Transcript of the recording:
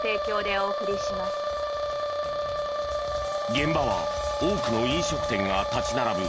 現場は多くの飲食店が立ち並ぶ